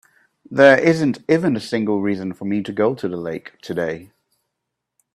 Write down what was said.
There isn't even a single reason for me to go to the lake today.